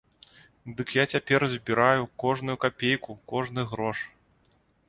Дык я цяпер збіраю кожную капейку, кожны грош.